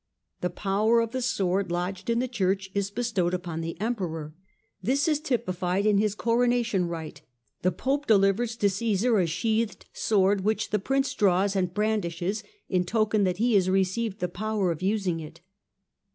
The power of the sword, lodged in the Church, is be stowed upon the Emperor. This is typified in his Corona tion rite : the Pope delivers to Caesar a sheathed sword, which the Prince draws and brandishes, in token that he has received the power of using it.